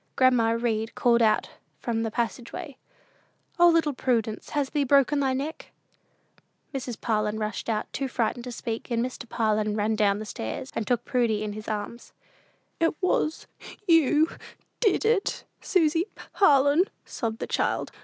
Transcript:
Grandma Read called out from the passage way, "O, little Prudence, has thee broken thy neck?" Mrs. Parlin rushed out, too frightened to speak, and Mr. Parlin ran down stairs, and took Prudy up in his arms. "It was you did it Susy Parlin," sobbed the child.